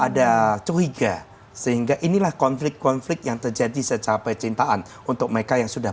ada curiga sehingga inilah konflik konflik yang terjadi secara percintaan untuk mereka yang sudah